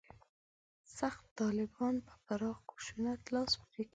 «سخت طالبانو» په پراخ خشونت لاس پورې کوي.